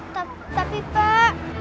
tapi tapi pak